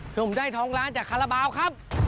ผมได้ทองล้านจากคาราบาลครับ